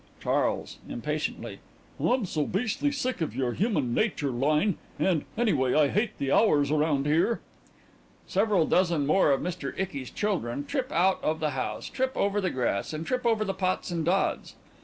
CHARLES: (Impatiently) I'm so beastly sick of your human nature line. And, anyway, I hate the hours around here. (Several dozen more of MR. ICKY'S _children trip out of the house, trip over the grass, and trip over the pots and dods.